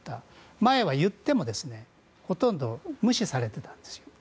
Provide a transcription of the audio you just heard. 前は言ってもほとんど無視されていたんです。